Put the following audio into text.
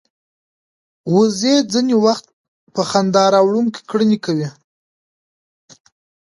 وزې ځینې وخت په خندا راوړونکې کړنې کوي